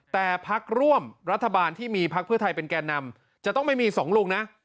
แต่พักร่วมรัฐบาลที่มีพักเพื่อไทยเป็นแก่นำจะต้องไม่มีสองลุงนะ